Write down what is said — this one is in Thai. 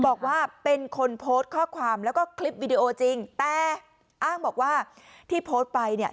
บอกว่าเป็นคนโพสต์ข้อความแล้วก็คลิปวิดีโอจริงแต่อ้างบอกว่าที่โพสต์ไปเนี่ย